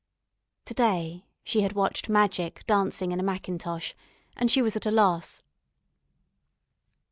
To day she had watched magic dancing in a mackintosh, and she was at a loss.